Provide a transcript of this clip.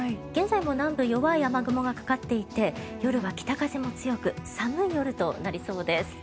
現在も南部、弱い雨雲がかかっていて夜は北風も強く寒い夜となりそうです。